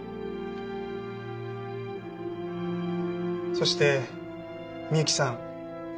そして美幸さん。